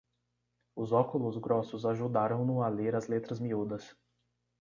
Os óculos grossos ajudaram-no a ler as letras miúdas.